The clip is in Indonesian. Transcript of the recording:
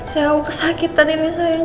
saya kesakitan ini sayang